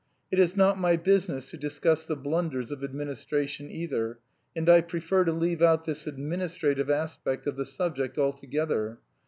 It is not my business to discuss the blunders of administration either, and I prefer to leave out this administrative aspect of the subject altogether.